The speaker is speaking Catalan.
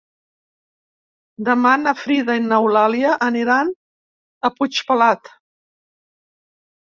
Demà na Frida i n'Eulàlia aniran a Puigpelat.